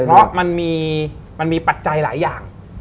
เพราะมันมีปัจจัยหลายอย่าง